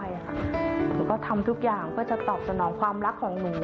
ใช่ค่ะหนูก็ทำทุกอย่างเพื่อจะตอบสนองความรักของหนู